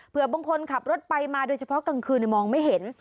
เพื่อบางคนขับรถไปมาโดยเฉพาะกลางคืนมองไม่เห็น